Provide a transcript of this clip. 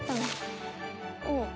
うん。